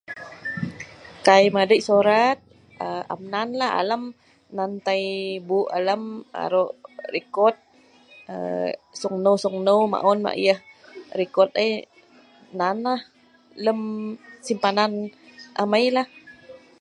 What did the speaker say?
kai madik sorat aa am nan la, alam nan tai buk alam arok rekot aa sunghneu sunghneu maon mak yeh rekot ai nan nah lem simpanan amai lah